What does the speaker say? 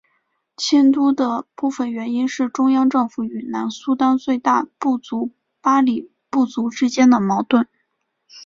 迁都的部分原因是中央政府与南苏丹最大部族巴里部族之间的矛盾。